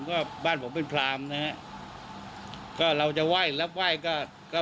ก็บ้านผมเป็นพรามนะฮะก็เราจะไหว้รับไหว้ก็ก็